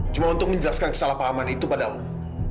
cuma untuk menjelaskan kesalahpahaman itu pada umum